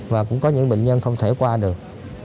và cũng có những bệnh nhân không thể qua được